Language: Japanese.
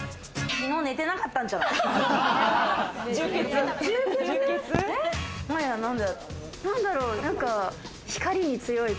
昨日寝てなかったんじゃない？